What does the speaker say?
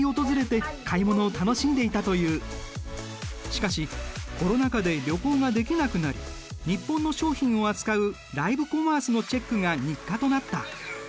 しかしコロナ禍で旅行ができなくなり日本の商品を扱うライブコマースのチェックが日課となった。